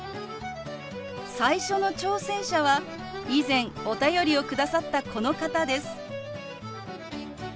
最初の挑戦者は以前お便りを下さったこの方です。